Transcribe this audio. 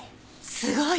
すごい！